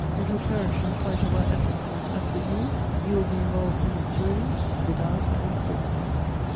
It will perish in spite of our efforts and, as for you, you will be involved in its ruin without having fought."